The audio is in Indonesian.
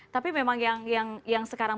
tapi memang yang sekarang